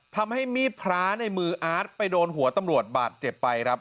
ทำให้มีดพระในมืออาร์ตไปโดนหัวตำรวจบาดเจ็บไปครับ